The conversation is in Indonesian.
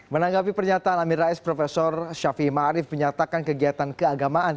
menanggapi pernyataan amin rais profesor syafi marif menyatakan kegiatan keagamaan